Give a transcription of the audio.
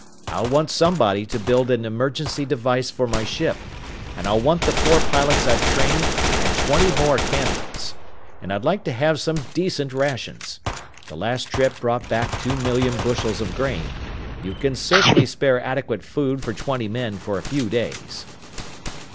I'll want somebody to build an emergency device for my ship, and I'll want the four pilots I've trained and twenty more candidates. And I'd like to have some decent rations! The last trip brought back two million bushels of grain. You can certainly spare adequate food for twenty men for a few days!"